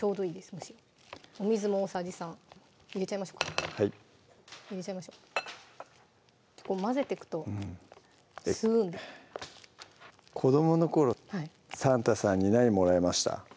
むしろお水も大さじ３入れちゃいましょうか入れちゃいましょう結構混ぜてくと吸うんで子どもの頃サンタさんに何もらいました？